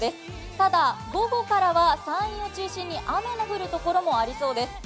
ただ午後からは山陰を中心に雨の降るところもありそうです。